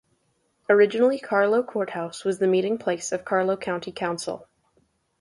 Originally Carlow Courthouse was the meeting place of Carlow County Council.